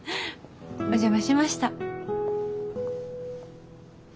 お邪魔しました。